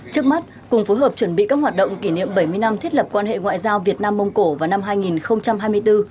trước mắt cùng phối hợp chuẩn bị các hoạt động kỷ niệm bảy mươi năm thiết lập quan hệ ngoại giao việt nam mông cổ vào năm hai nghìn hai mươi bốn